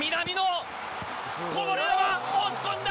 こぼれ球、押し込んだ。